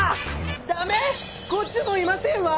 駄目こっちもいませんわ。